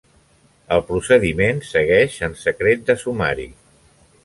El procediment segueix en secret de sumari.